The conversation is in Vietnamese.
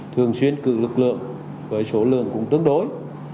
thường xuyên cử lực lượng với số lượng cũng tương đối